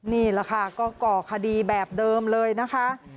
นี่แหละค่ะก็ก่อคดีแบบเดิมเลยนะคะ